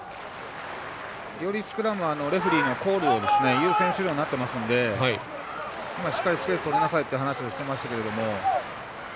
よりスクラムはレフリーがコールを優先するようになっているのでしっかりスペース取りなさいとしていましたけども。